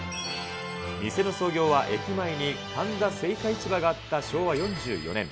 店の創業は駅前に神田青果市場があった昭和４４年。